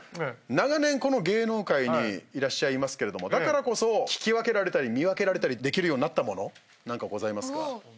長年この芸能界にいらっしゃいますけれどもだからこそ聞き分けられたり見分けられたりできるようになったもの何かございますか？